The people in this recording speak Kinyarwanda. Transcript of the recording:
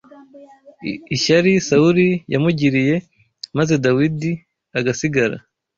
ishyari Sawuli yamugiriye maze Dawidi agasigara